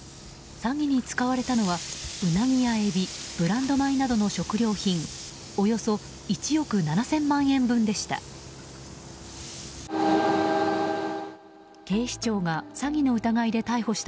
詐欺に使われたのはウナギやエビ、ブランド米などの食料品およそ１億７０００万円分でした。